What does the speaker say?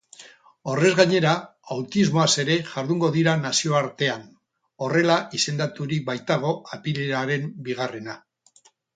Horrez gainera, autismoaz ere jardungo dira nazioartean horrela izendaturik baitago apirilaren bigarrena.